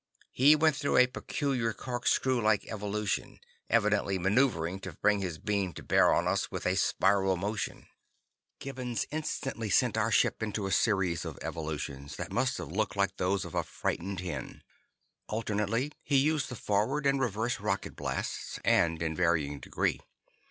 He went through a peculiar corkscrew like evolution, evidently maneuvering to bring his beam to bear on us with a spiral motion. Gibbons instantly sent our ship into a series of evolutions that must have looked like those of a frightened hen. Alternately, he used the forward and the reverse rocket blasts, and in varying degree.